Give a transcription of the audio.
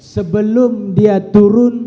sebelum dia turun